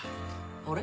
あれ？